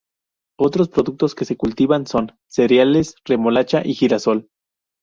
Otros productos que se cultivan son: cereales, remolacha y girasol.